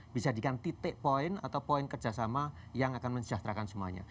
bisa dijadikan titik poin atau poin kerjasama yang akan mensejahterakan semuanya